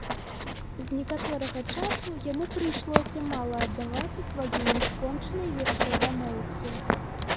З некаторага часу яму прыйшлося мала аддавацца сваёй не скончанай яшчэ дамоўцы.